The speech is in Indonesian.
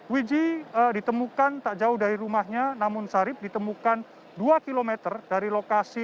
wiji ditemukan tak jauh dari rumahnya namun sarip ditemukan dua km dari lokasi